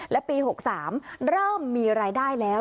และปี๖๓เริ่มมีรายได้แล้ว